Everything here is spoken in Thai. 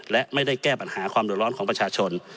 และไม่ได้แก้ปัญหาความเดือดร้อนของประชาชน